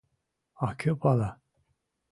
— А кӧ пала.